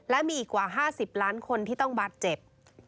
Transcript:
และมีอีกกว่า๕๐ล้านคนที่ต้องบาดเจ็บ